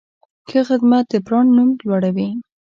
ښه خدمت د برانډ نوم لوړوي.